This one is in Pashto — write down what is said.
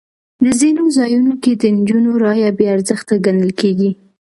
په ځینو ځایونو کې د نجونو رایه بې ارزښته ګڼل کېږي.